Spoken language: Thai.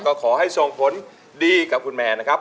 ก็ขอให้ส่งผลดีกับคุณแมนนะครับ